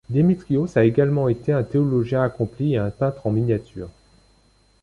Démétrios a également été un théologien accompli et un peintre en miniature.